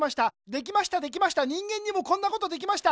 できましたできました人間にもこんなことできました。